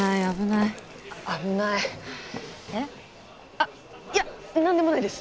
あっいや何でもないです。